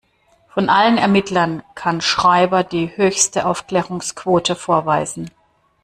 Von allen Ermittlern kann Schreiber die höchste Aufklärungsquote vorweisen.